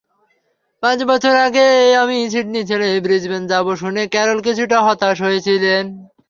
পাঁচ বছর আগে আমি সিডনি ছেড়ে ব্রিসবেন যাব শুনে ক্যারল কিছুটা হতাশ হয়েছিলেন।